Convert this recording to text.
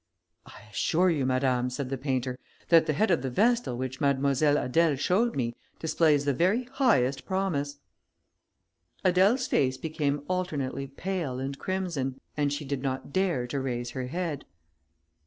"I assure you, madame," said the painter, "that the head of the vestal which Mademoiselle Adèle showed me, displays the very highest promise." Adèle's face became alternately pale and crimson, and she did not dare to raise her head.